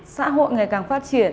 xã hội ngày càng phát triển